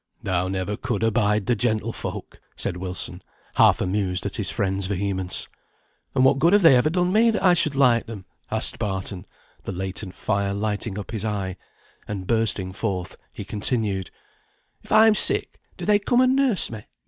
'" "Thou never could abide the gentlefolk," said Wilson, half amused at his friend's vehemence. "And what good have they ever done me that I should like them?" asked Barton, the latent fire lighting up his eye: and bursting forth, he continued, "If I am sick, do they come and nurse me?